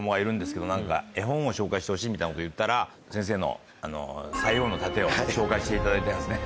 紹介してほしいみたいなこと言ったら先生の『塞王の楯』を紹介していただいたんですね。